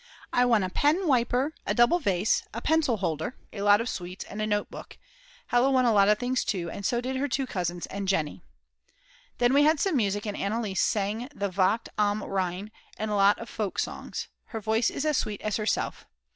I won a pen wiper, a double vase, a pencil holder, a lot of sweets, and a note book, Hella won a lot of things too, and so did her two cousins and Jenny. Then we had some music and Anneliese sang the Wacht am Rhein and a lot of folk songs; her voice is as sweet as herself.